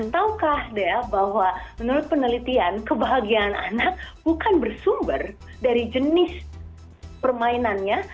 tahukah dea bahwa menurut penelitian kebahagiaan anak bukan bersumber dari jenis permainannya